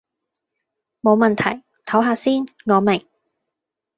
無問題，抖下先，我明